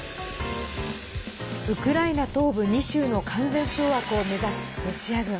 ウクライナ東部２州の完全掌握を目指すロシア軍。